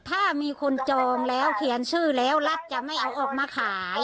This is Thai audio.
ถ้ามีคนจองแล้วเขียนชื่อแล้วรัฐจะไม่เอาออกมาขาย